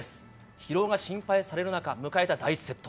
疲労が心配される中、迎えた第１セット。